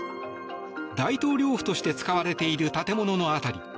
大統領府として使われている建物の辺り。